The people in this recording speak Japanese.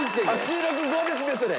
収録後ですねそれ。